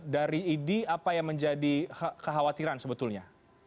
dari idi apa yang menjadi kekhawatiran sebetulnya